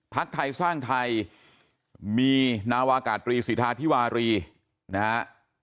ภักดิ์ไทยสร้างไทยมีนาวากาศตรีสิทธาธิวารีนะครับ